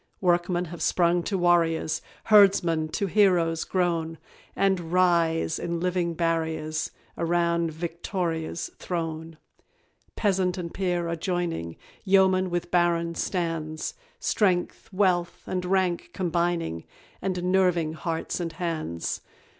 Workmen have sprung to warriors, Herdsmen to heroes grown, And rise, in living barriers, Around VICTORIA'S throne. Peasant and peer are joining, Yeoman with baron stands; Strength, wealth, and rank combining, And nerving hearts and hands.